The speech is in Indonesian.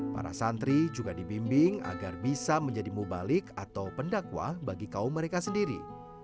para santri juga dibimbing agar bisa menjadi mubalik atau pendakwah bagi kaum mereka sendiri